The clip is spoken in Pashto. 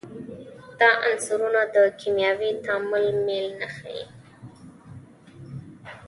دا عنصرونه د کیمیاوي تعامل میل نه ښیي.